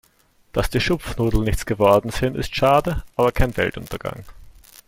Dass die Schupfnudeln nichts geworden sind, ist schade, aber kein Weltuntergang.